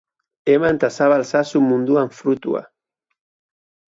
Eman ta zabal zazu munduan frutua.